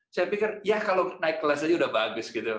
saya berpikir ya kalau naik kelas saja sudah bagus